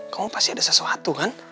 kamu pasti ada sesuatu kan